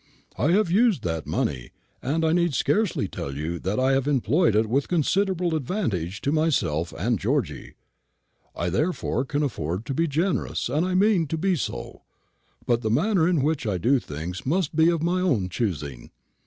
I have used that money, and I need scarcely tell you that I have employed it with considerable advantage to myself and Georgy. I therefore can afford to be generous, and I mean to be so; but the manner in which I do things must be of my own choosing.